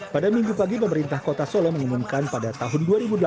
pada minggu pagi pemerintah kota solo mengumumkan pada tahun dua ribu delapan belas